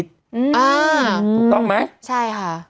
ถูกต้องไหมใช่ค่ะ